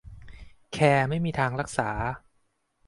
แคร์ไม่มีทางรักษา